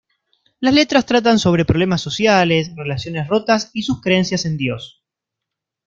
Las letras tratan sobre problemas sociales, relaciones rotas y sus creencias en Dios.